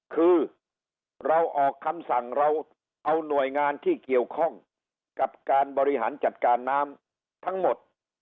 คือเราออกคำสั่งเราเอาหน่วยงานที่เกี่ยวข้องกับการบริหารจัดการน้ำทั้งหมด